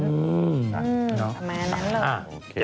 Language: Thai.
ตามแปดแม่งนั้นเลย